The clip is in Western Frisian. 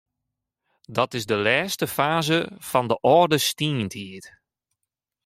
Dat is de lêste faze fan de âlde stientiid.